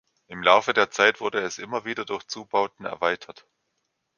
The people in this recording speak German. Im Laufe der Zeit wurde es immer wieder durch Zubauten erweitert.